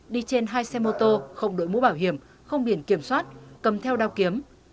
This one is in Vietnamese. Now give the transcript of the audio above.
đi trên hai xe mô tô không đội mũ bảo hiểm không biển kiểm soát cầm theo đao kiếm